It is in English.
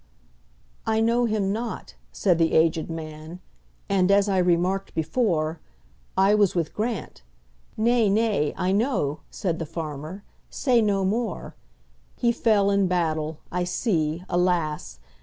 "I know him not," said the aged man,"And, as I remarked before,I was with Grant"—"Nay, nay, I know,"Said the farmer, "say no more:"He fell in battle,—I see, alas!